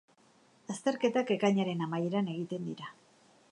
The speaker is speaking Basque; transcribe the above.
Azterketak ekainaren amaieran egiten dira.